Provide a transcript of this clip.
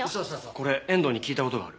これ遠藤に聞いた事がある。